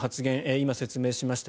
今説明しました